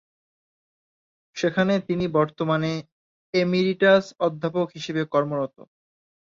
সেখানেই তিনি বর্তমানে এমেরিটাস অধ্যাপক হিসেবে কর্মরত।